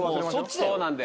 そうなんだよ。